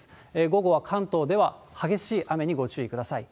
午後は関東では激しい雨にご注意ください。